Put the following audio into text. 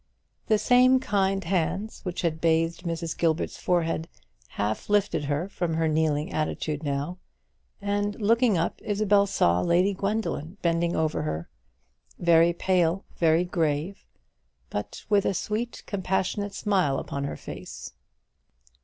The same kind hands which had bathed Mrs. Gilbert's forehead half lifted her from her kneeling attitude now; and looking up, Isabel saw Lady Gwendoline bending over her, very pale, very grave, but with a sweet compassionate smile upon her face.